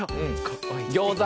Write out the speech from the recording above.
ギョーザ。